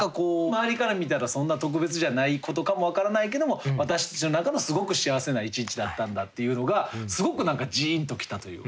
周りから見たらそんな特別じゃないことかも分からないけども私たちの中のすごく幸せな一日だったんだっていうのがすごく何かじんときたというか。